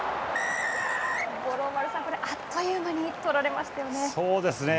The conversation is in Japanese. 五郎丸さん、あっという間に取られましたよね。